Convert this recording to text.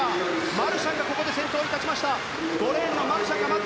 マルシャンが先頭に立ちました。